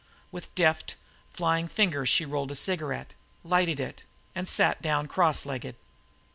With deft, flying fingers she rolled a cigarette, lighted it, and sat down cross legged.